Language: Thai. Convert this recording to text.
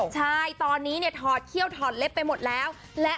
ใช่ตอนนี้เนี่ยถอดเขี้ยวถอดเล็บไปหมดแล้ว